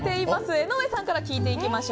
江上さんから聞いていきましょう。